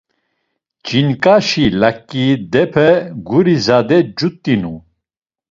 Ç̌inǩaşi laǩirdepe guri zade cut̆inu.